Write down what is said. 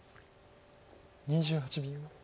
２８秒。